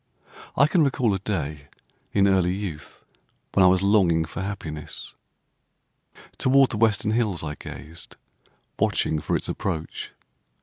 I can recall a day in early youth when I was longing for happiness. Toward the western hills I gazed, watching for its approach.